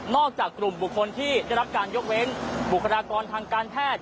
จากกลุ่มบุคคลที่ได้รับการยกเว้นบุคลากรทางการแพทย์